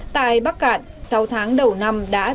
tại bắc cạn sáu tháng đầu năm